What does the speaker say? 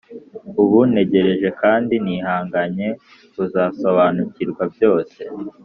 Ubu ntegereje kandi nihanganye kuzasobanukirwa byose